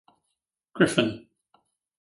Griffin.